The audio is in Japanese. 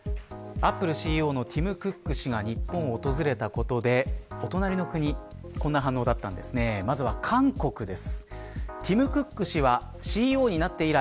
アップルＣＥＯのティム・クック氏が日本を訪れたことでお隣の国こんな反応だったんです。